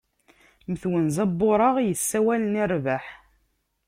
Mm twenza n ureɣ, yessawalen i rbeḥ.